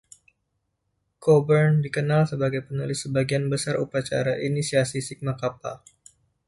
Coburn dikenal sebagai penulis sebagian besar upacara inisiasi Sigma Kappa.